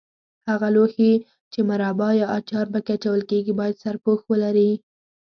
هغه لوښي چې مربا یا اچار په کې اچول کېږي باید سرپوښ ولري.